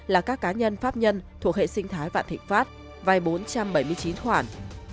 là các cá nhân pháp nhân thuộc hệ sinh thái vạn thịnh pháp vay bốn trăm bảy mươi chín khoản